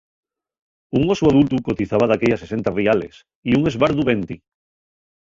Un osu adultu cotizaba daquella sesenta riales y un esbardu venti.